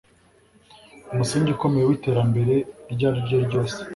umusingi ukomeye w'iterambere iryo ariryo ryose